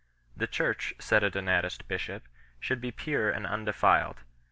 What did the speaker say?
The Church, said a Donatist bishop 2 , should be pure and undcfiled.